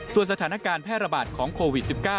ส่วนสถานการณ์แพร่ระบาดของโควิด๑๙